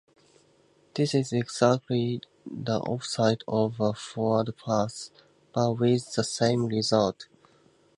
This is exactly the opposite of a "forward pass", but with the same result.